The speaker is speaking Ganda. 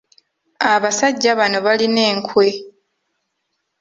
Abasajja bano balina enkwe.